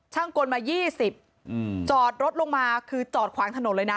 ช่างกลมายี่สิบจอดรถลงมาคือจอดขวางถนนเลยนะ